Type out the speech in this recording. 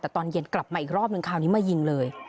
แต่ตอนเย็นกลับมาอีกรอบนึงคราวนี้มายิงเลย